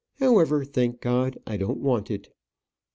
However, thank God, I don't want it.